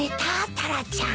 タラちゃん。